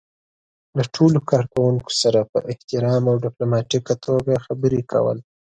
له ټولو کار کوونکو سره په احترام او ډيپلوماتيکه توګه خبرې کول.